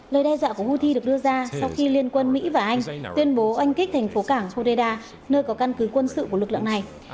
lời đe dọa của houthi được đưa ra sau khi liên quân mỹ và anh tuyên bố oanh kích thành phố cảng hodeida nơi có căn cứ quân sự của lực lượng này